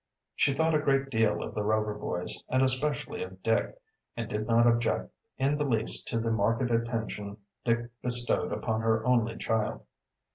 She thought a great deal of the Rover boys, and especially of Dick, and did not object in the least to the marked attention Dick bestowed upon her only child.